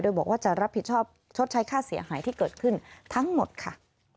โดยบอกว่าจะรับผิดชอบชดใช้ค่าเสียหายที่เกิดขึ้นทั้งหมดค่ะ